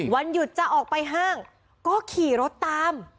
วันหยุดจะออกไปห้างก็ขี่รถตาม